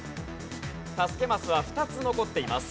助けマスは２つ残っています。